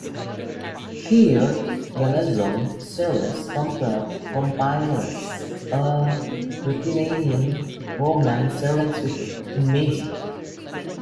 Her Galazon series comprise a Ruritanian romance series with magic.